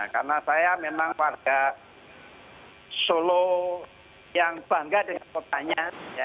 karena saya memang warga solo yang bangga dengan kotanya